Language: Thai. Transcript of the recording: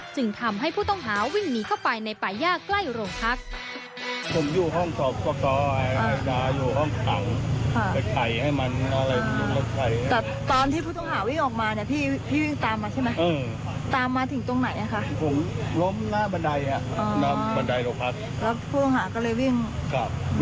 จึงทำให้ผู้ต้องหาวิ่งหนีเข้าไปในป่าย่าใกล้โรงพัก